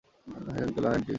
High, uncle, hi, aunty.